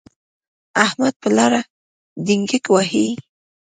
احمد په لاره ډینګګ وهي.